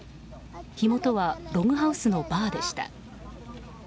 火元はログハウスのバーでした。